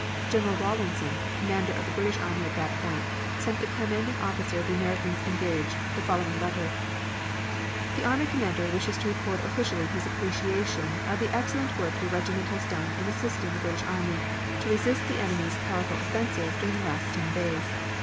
General Rawlinson, Commander of the British army at that point, sent the commanding officer of the Americans engaged, the following letter: The army Commander wishes to record officially his appreciation of the excellent work your regiment has done in assisting the British army to resist the enemy's powerful offensive during the last ten days.